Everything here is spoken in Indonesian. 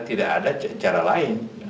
tidak ada cara lain